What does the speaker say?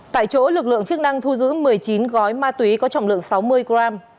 tại chỗ lực lượng chức năng thu giữ một mươi chín gói ma túy có trọng lượng sáu mươi gram